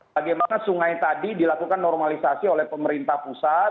bagaimana sungai tadi dilakukan normalisasi oleh pemerintah pusat